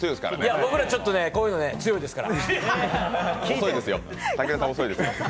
僕らこういうの、強いですから。